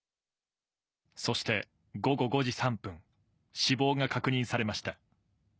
そして午後５時３分、死亡が確認されました。